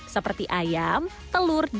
seperti ayam telur dan kacang